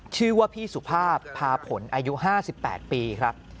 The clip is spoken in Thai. ชื่อว่าพี่สุภาพพาผลอายุ๕๘ปีครับ